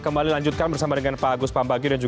pemerintah ini sampai kemudian menunjuk menko luhut